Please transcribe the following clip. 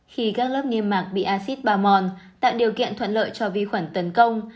khi các lớp niêm mạc bị acid ba mòn tạo điều kiện thuận lợi cho vi khuẩn tấn công